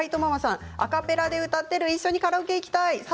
アカペラで歌っている、一緒にカラオケに行きたい。